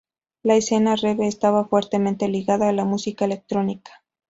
La escena "rave" estaba fuertemente ligada a la música electrónica.